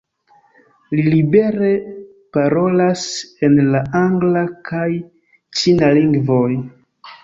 Li libere parolas en la angla kaj ĉina lingvoj.